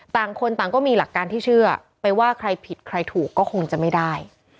ต่างคนต่างก็มีหลักการที่เชื่อไปว่าใครผิดใครถูกก็คงจะไม่ได้